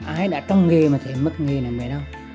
ai đã trong nghề mà thấy mất nghề này mấy đứa